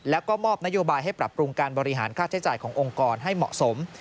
แล้วก็มอบนโยบายให้ปรับปรุงการบริหารค่าใช้จ่ายขององค์กรให้เหมาะสม